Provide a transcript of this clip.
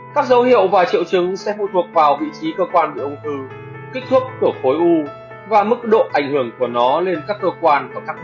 các dấu hiệu và triệu chứng sẽ phụ thuộc vào vị trí cơ quan bị ung thư kích thước của khối u và mức độ ảnh hưởng của nó lên các cơ quan và các mô như thế nào